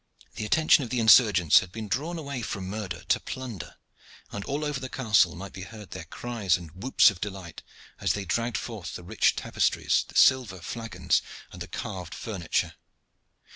The attention of the insurgents had been drawn away from murder to plunder, and all over the castle might be heard their cries and whoops of delight as they dragged forth the rich tapestries, the silver flagons, and the carved furniture.